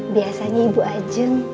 biasanya ibu ajeng